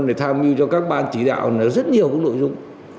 phòng thì tham mưu cho các ban chỉ đạo rất nhiều nội dung